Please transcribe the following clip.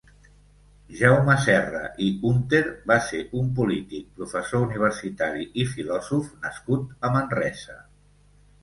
Jaume Serra i Húnter va ser un polític, professor universitari i filòsof nascut a Manresa.